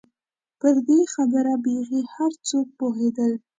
پر دې خبره بېخي هر څوک پوهېدل.